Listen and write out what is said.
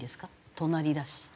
隣だし。